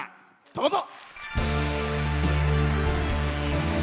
どうぞ。